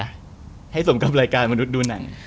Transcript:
ทำให้ซมบรรยาการยังดูหนัง